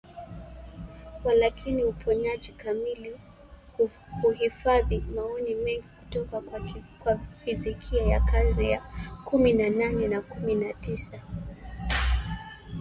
Yet, holistic healing retains many ideas from eighteenth and nineteenth century physics.